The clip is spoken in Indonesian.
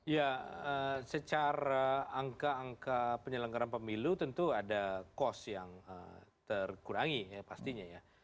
ya secara angka angka penyelenggaraan pemilu tentu ada cost yang terkurangi ya pastinya ya